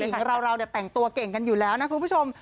หญิงเราเนี่ยแต่งตัวเก่งกันอยู่แล้วนะคุณผู้ชม